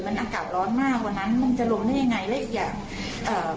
มันอากาศร้อนมากกว่านั้นมันจะลงได้ยังไงและอีกอย่างเอ่อ